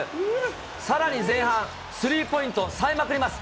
さらに前半、スリーポイント、さえまくります。